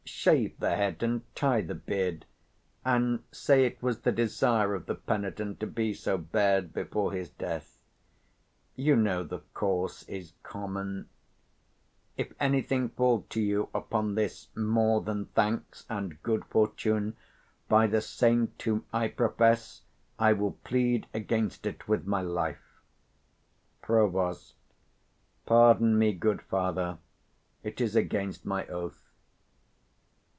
Shave the head, and tie the beard; and say it was the desire of the penitent to be so bared before his death: you know the course is common. If any thing fall to you upon this, more than thanks and good fortune, by the Saint 170 whom I profess, I will plead against it with my life. Prov. Pardon me, good father; it is against my oath.